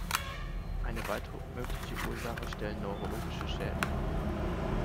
Eine weitere mögliche Ursache stellen "neurologische Schäden" dar.